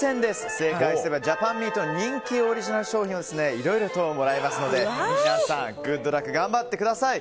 正解すればジャパンミートの人気オリジナル商品がいろいろともらえますので皆さん、頑張ってください。